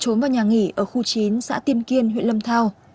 thu đã trốn vào nhà nghỉ ở khu chín xã tiên kiên huyện lâm thao